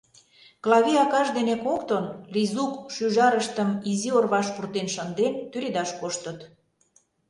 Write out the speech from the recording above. Клави акаж дене коктын, Лизук шӱжарыштым изи орваш пуртен шынден, тӱредаш коштыт.